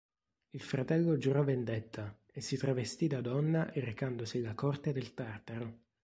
Il fratello giurò vendetta e si travestì da donna recandosi alla corte del Tartaro.